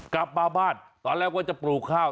กลับมาบ้านตอนแรกว่าจะปลูกข้าว